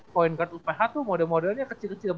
point guard oph tuh model modelnya kecil kecil badannya kan